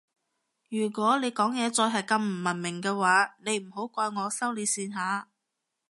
如果你講嘢再係咁唔文明嘅話你唔好怪我收你線吓